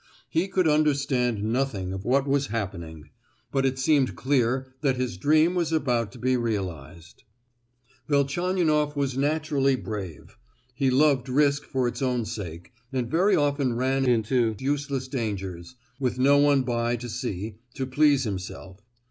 He could understand nothing of what was happening, but it seemed clear that his dream was about to be realised. Velchaninoff was naturally brave. He loved risk for its own sake, and very often ran into useless dangers, with no one by to see, to please himself.